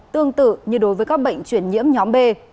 tương tự như đối với các bệnh chuyển nhiễm nhóm b